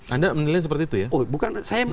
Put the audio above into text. anda menilai seperti itu ya